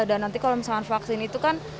dan nanti kalau misalnya vaksin itu kan